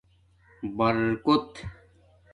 برکوت